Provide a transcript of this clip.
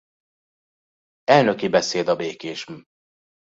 Elnöki beszéd a békésm.